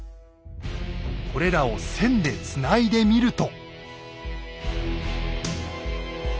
これらを線でつないでみると。